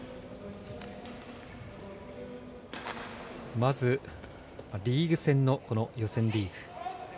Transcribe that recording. まず、リーグ戦のこの予選リーグ。